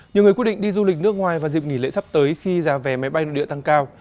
nhiều người quyết định đi du lịch nước ngoài vào dịp nghỉ lễ sắp tới khi giá vé máy bay nội địa tăng cao